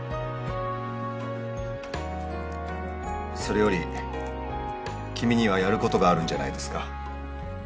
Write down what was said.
それより君にはやることがあるんじゃないですか？